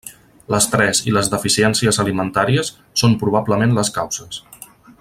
L'estrès i les deficiències alimentàries són probablement les causes.